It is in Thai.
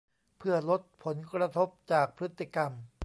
เพื่อลดผลกระทบจากพฤติกรรม